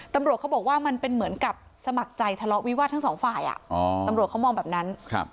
ตำรวจเขาบอกว่ามันเป็นเหมือนกับสมัครใจทะเลาะวิวาสทั้งสองฝ่ายตำรวจเขามองแบบนั้น